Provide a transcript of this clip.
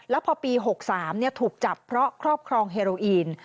แล้วพอปี๖๓ถูกจับเพราะครอบครองเฮโรอีน